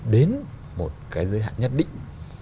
đến một cái giới hạn nhất định